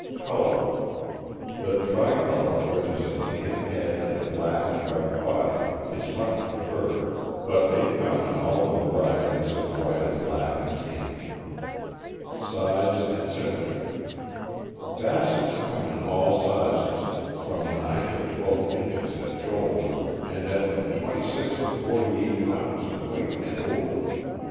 Color. — The tri color, which has a tan head and a black and white body, is much preferred; but they come in all the varieties of white and black and tan. Size and symmetry. — Bassets come in all sizes, from nine THE BASSET HOUND. 215 to twelve inches at shoulder and at from twenty six to forty eight pounds in weight and over.